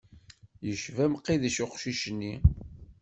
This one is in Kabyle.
Yecba Mqidec uqcic-nni.